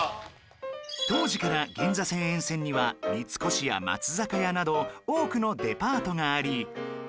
当時から銀座線沿線には三越や松坂屋など多くのデパートがあり